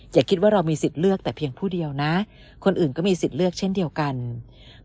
อย่าคิดว่าเรามีสิทธิ์เลือกแต่เพียงผู้เดียวนะคนอื่นก็มีสิทธิ์เลือกเช่นเดียวกัน